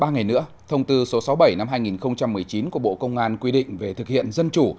ba ngày nữa thông tư số sáu mươi bảy năm hai nghìn một mươi chín của bộ công an quy định về thực hiện dân chủ